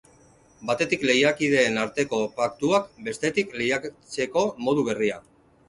Batetik, lehiakideen arteko paktuak, bestetik, lehiatzeko modu berria.